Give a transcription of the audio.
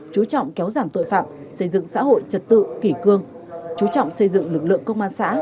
chú trọng kéo giảm tội phạm xây dựng xã hội trật tự kỷ cương chú trọng xây dựng lực lượng công an xã